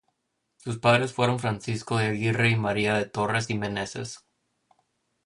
Sus padres fueron Francisco de Aguirre y María de Torres y Meneses.